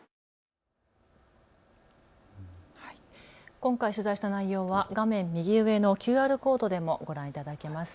今回取材した内容は画面右上のＱＲコードでもご覧いただけます。